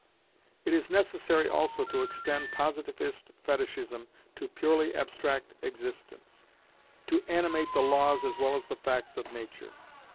It is necessary also to extend Positivist Fetishism to purely abstract existence; to "animate" the laws as well as the facts of nature.